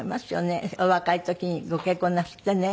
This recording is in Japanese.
お若い時にご結婚なすってね。